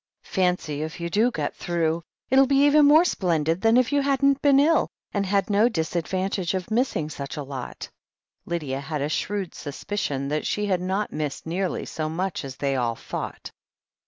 Fancy, if you do get through! It'll be even more splendid than if you hadn't been ill, and had no disadvantage of missing such a lot." Lydia had a shrewd suspicion that she l^d not missed nearly so much as they all thought.